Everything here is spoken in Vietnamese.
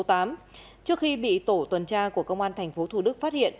trước khi bị tổ tuần tra của công an tp thủ đức phát hiện